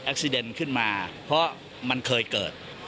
ซีเดนขึ้นมาเพราะมันเคยเกิด